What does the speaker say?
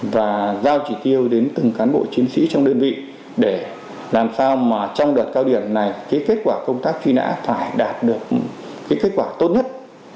và giao chỉ tiêu đến từng cán bộ chiến sĩ trong đơn vị để làm sao mà trong đợt cao điểm này cái kết quả công tác truy nã phải đạt được kết quả tốt nhất